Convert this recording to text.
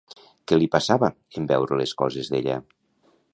Què li passava en veure les coses d'ella?